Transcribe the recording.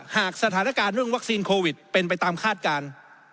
หากสถานการณ์เรื่องวัคซีนโควิดเป็นไปตามคาดการณ์